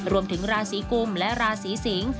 รวมถึงราศีกุมและราศีสิงศ์